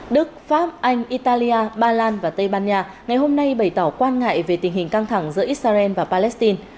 đức pháp anh italia ba lan và tây ban nha ngày hôm nay bày tỏ quan ngại về tình hình căng thẳng giữa israel và palestine